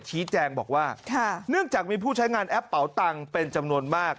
ชี้แจงบอกว่าเนื่องจากมีผู้ใช้งานแอปเป๋าตังค์เป็นจำนวนมาก